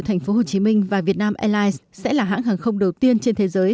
thành phố hồ chí minh và việt nam airlines sẽ là hãng hàng không đầu tiên trên thế giới